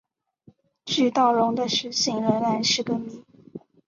巨盗龙的食性仍然是个谜。